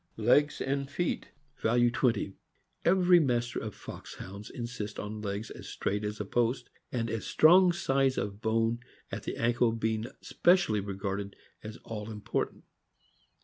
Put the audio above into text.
Legs and feet (value 20). — Every master of Foxhounds insists on legs as straight as a post, and as strong — size of bone at the ankle being specially regarded as all important.